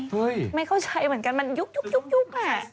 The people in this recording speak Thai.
เฮ่ยไม่เข้าใจเหมือนกันมันยุกแหละ